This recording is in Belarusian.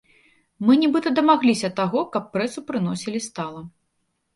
Мы нібыта дамагліся таго, каб прэсу прыносілі стала.